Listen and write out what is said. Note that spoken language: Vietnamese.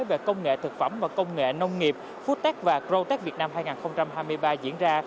về công nghệ thực phẩm và công nghệ nông nghiệp foodtech và growth tech việt nam hai nghìn hai mươi ba diễn ra